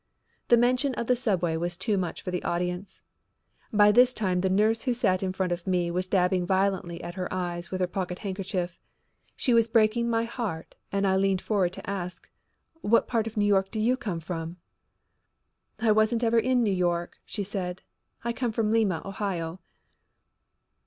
The mention of the subway was too much for the audience. By this time the nurse who sat in front of me was dabbing violently at her eyes with her pocket handkerchief. She was breaking my heart and I leaned forward and asked: "What part of New York do you come from?" "I wasn't ever in New York," she said. "I come from Lima, Ohio."